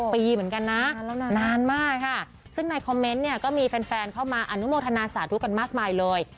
ปีเหมือนกันนะนานมากค่ะซึ่งในคอมเมนต์เนี่ยก็มีแฟนเข้ามาอนุโมทนาสาธุกันมากมายเลย